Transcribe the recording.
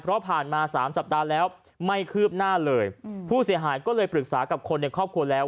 เพราะผ่านมาสามสัปดาห์แล้วไม่คืบหน้าเลยผู้เสียหายก็เลยปรึกษากับคนในครอบครัวแล้ว